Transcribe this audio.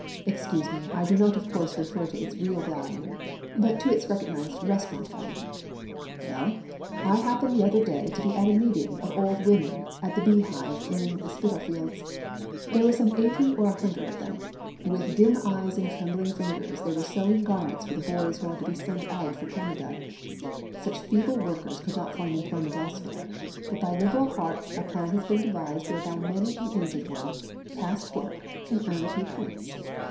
Excuse me, I do not of course refer to its real value, but to its recognised restaurant value! Well, I happened the other day to be at a meeting of old women at the `Beehive' in Spitalfields; there were some eighty or a hundred of them. With dim eyes and trembling fingers they were sewing garments for the boys who are to be sent out to Canada. Such feeble workers could not find employment elsewhere, but by liberal hearts a plan has been devised whereby many an aged one, past work, can earn a few pence.